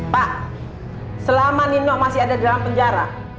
pak selama nino masih ada di dalam penjara